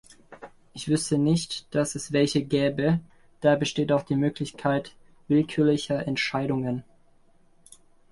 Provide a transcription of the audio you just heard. Ich wüßte nicht, dass es welche gäbe, daher besteht auch die Möglichkeit willkürlicher Entscheidungen.